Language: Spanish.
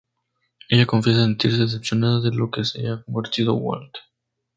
Ella confiesa sentirse decepcionada de lo que se ha convertido Walt.